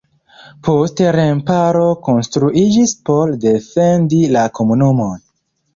Poste remparo konstruiĝis por defendi la komunumon.